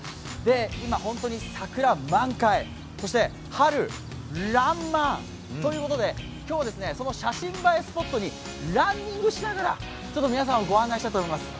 今、本当に桜満開、そして春爛漫！ということで今日は写真映えスポットにランニングしながら皆さんをご案内したいと思います。